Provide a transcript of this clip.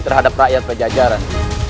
terhadap rakyat penjajaran